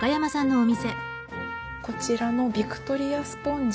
こちらのビクトリアスポンジ。